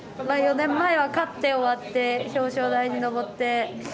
４年前は勝って終わって表彰台に上って。